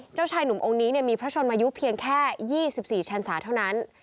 เจ้าชายหนุ่มองค์นี้มีพระชนมายุเพียงแค่๒๔ชันศาเท่านั้น